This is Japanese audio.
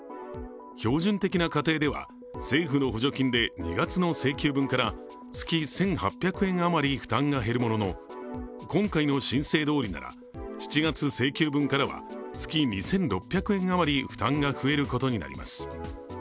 標準的な家庭では政府の補助金で２月の請求分から月１８００円余り負担が減るものの、今回の申請どおりなら７月請求分からは月２６００円余り負担が増えることになります。